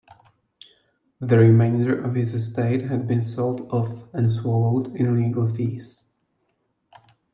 The remainder of his estate had been sold off and swallowed in legal fees.